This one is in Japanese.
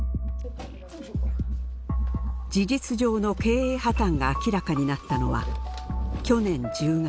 事実上の経営破綻が明らかになったのは去年１０月。